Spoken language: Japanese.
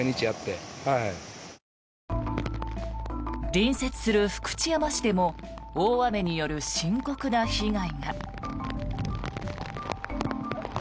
隣接する福知山市でも大雨による深刻な被害が。